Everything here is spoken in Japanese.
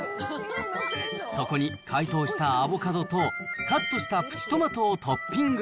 そこに解凍したアボカドと、カットしたプチトマトをトッピング。